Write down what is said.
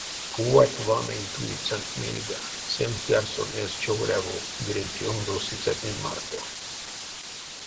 Кувать ванынь туицянть мельга, семс, зярс сон эзь човоряво виренть ёндо сыцятнень марто.